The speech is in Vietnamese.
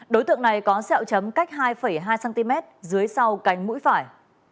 đối tượng này có xeo chấm cách hai hai cm dưới sau cánh mũi phải